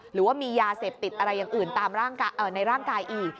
หรือว่ามียาเสพติดอะไรอย่างอื่นตามในร่างกายอีก